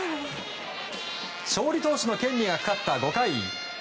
勝利投手の権利がかかった５回。